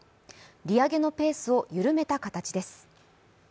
利上げのペースを緩めた形です。